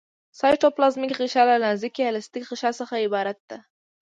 سایټوپلازمیک غشا له نازکې الستیکي غشا څخه عبارت ده.